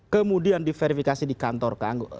kemudian diverifikasi di kantor keanggota